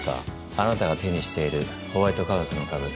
あなたが手にしているホワイト化学の株。